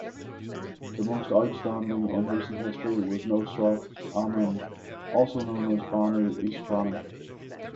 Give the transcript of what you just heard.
The most outstanding in recent history was Nosrat Amin, also known as Banu Isfahani.